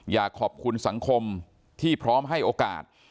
อยากขอบคุณสังคมที่พร้อมให้โอกาส